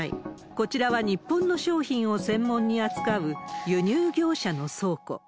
こちらは日本の商品を専門に扱う輸入業者の倉庫。